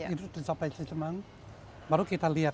itu sampai sistem baru kita lihat